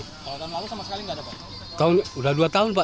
kalau tahun lalu sama sekali nggak ada pak